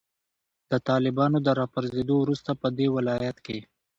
د طالبانو د راپرزیدو وروسته پدې ولایت کې